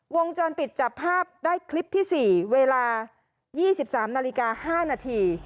วงจรปิดจับภาพได้คลิปที่๔เวลา๒๓นาฬิกา๕นาที